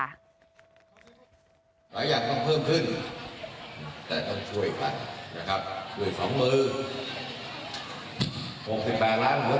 หลายอย่างต้องเพิ่มขึ้นแต่ต้องช่วยครับด้วยสองมือ